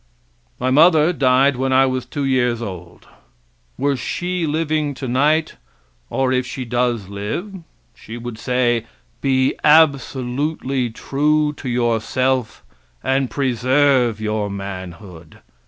My mother died when I was 2 years old. Were she living tonight, or if she does live, she would say, be absolutely true to yourself and preserve your manhood.